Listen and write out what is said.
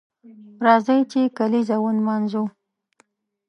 راځه چې کالیزه ونمانځو